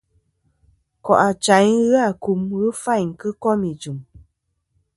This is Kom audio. Nkò' achayn ghɨ akum ghɨ fayn kɨ kom ijɨm.